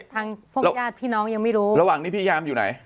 ทางพวกญาติพี่น้องยังไม่รู้ระหว่างนี้พี่ยามอยู่ไหน